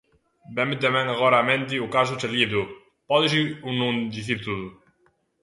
Vénme tamén agora á mente o caso Charlie Hebdo: pódese ou non dicir todo?